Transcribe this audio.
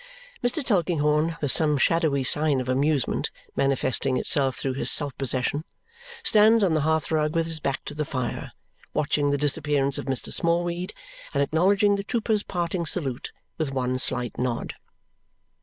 Mr. Tulkinghorn, with some shadowy sign of amusement manifesting itself through his self possession, stands on the hearth rug with his back to the fire, watching the disappearance of Mr. Smallweed and acknowledging the trooper's parting salute with one slight nod.